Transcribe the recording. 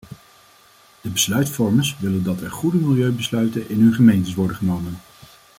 De besluitvormers willen dat er goede milieubesluiten in hun gemeentes worden genomen.